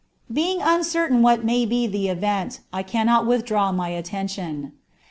Being uncertain what may be the anA [ cannot withdraw my aiienlion.'